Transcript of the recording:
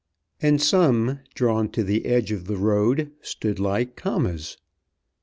And some, drawn to the edge of the road, stood like commas.